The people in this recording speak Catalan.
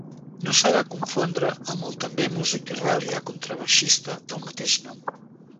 No s'ha de confondre amb el també músic israelià contrabaixista del mateix nom.